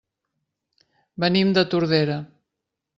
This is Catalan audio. Venim de Tordera.